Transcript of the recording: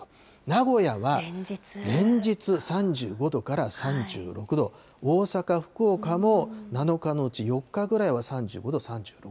名古屋は連日３５度から３６度、大阪、福岡も７日のうち４日ぐらいは３５度、３６度と。